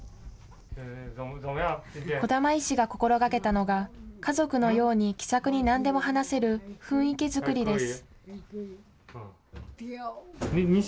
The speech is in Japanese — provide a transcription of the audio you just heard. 児玉医師が心がけたのが、家族のように気さくになんでも話せる雰囲気作りです。